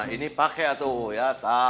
ini pakai tuh